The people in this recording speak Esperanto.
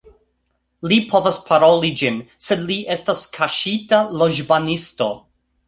Li povas paroli ĝin, sed li estas kaŝita loĵbanisto